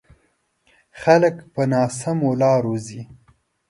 خلک په ناسمو لارو ځي.